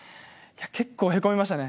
結構へこみましたね。